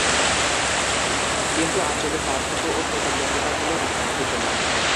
কিন্তু, আঞ্চলিক পার্থক্য এবং প্রতিদ্বন্দ্বিতাগুলো এখনও বিদ্যমান।